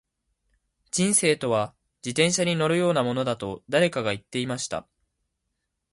•人生とは、自転車に乗るようなものだと誰かが言っていました。